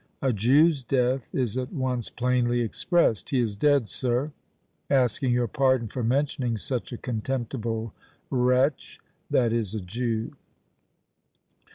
A Jew's death is at once plainly expressed: "He is dead, sir! asking your pardon for mentioning such a contemptible wretch!" i.e. a Jew!